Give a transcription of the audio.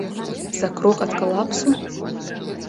За крок ад калапсу?